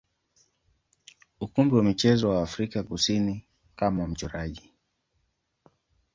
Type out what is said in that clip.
ukumbi wa michezo wa Afrika Kusini kama mchoraji.